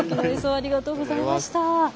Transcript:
ありがとうございます。